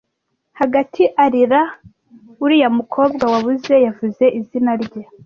Hagati arira, uriya mukobwa wabuze yavuze izina rye.